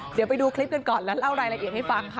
เดี๋ยวไปดูคลิปกันก่อนแล้วเล่ารายละเอียดให้ฟังค่ะ